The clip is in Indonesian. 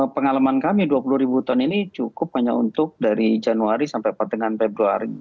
pengalaman kami dua puluh ribu ton ini cukup hanya untuk dari januari sampai pertengahan februari